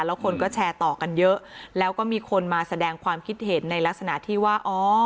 แล้วคนก็แชร์ต่อกันเยอะแล้วก็มีคนมาแสดงความคิดเห็นในลักษณะที่ว่าอ๋อ